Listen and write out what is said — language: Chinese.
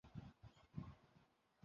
但差点被他毒死。